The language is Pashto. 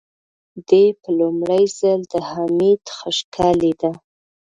دې په لومړي ځل د حميد خشکه لېده.